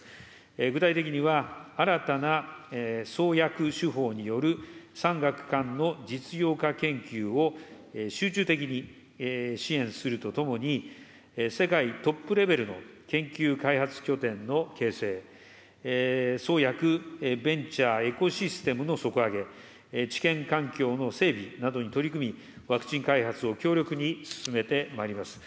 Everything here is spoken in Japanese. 具体的には、新たな創薬手法による産学官の実用化研究を集中的に支援するとともに、世界トップレベルの研究開発拠点の形成、創薬・ベンチャーエコシステムの底上げ、治験環境の整備などに取り組み、ワクチン開発を強力に進めてまいります。